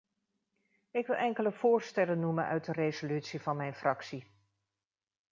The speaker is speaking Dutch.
Ik wil enkele voorstellen noemen uit de resolutie van mijn fractie.